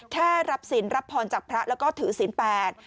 แค่รับศิลป์รับพรจากพระแล้วก็ถือศีลแปด